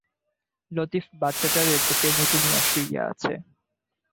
লতিফ বাচ্চাটারে বুকের নিচে নিয়া শুইয়া আছে।